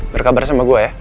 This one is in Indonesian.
berkabar sama gue ya